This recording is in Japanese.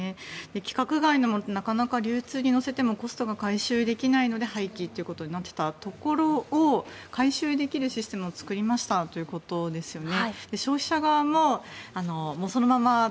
規格外のものって流通に乗せてもコストが回収できないので廃棄となっていたところを回収できるシステムを作りましたということですよね。